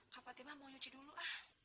kak fatimah mau nyuci dulu ah